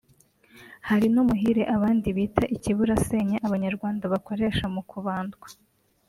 hari n’umuhire abandi bita ikiburasenya abanyarwanda bakoresha mu kubandwa